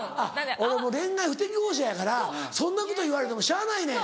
「俺恋愛不適合者やからそんなこと言われてもしゃあないねん」。